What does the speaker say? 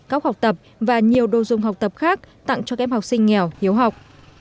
cóc học tập và nhiều đồ dùng học tập khác tặng cho các em học sinh nghèo hiếu học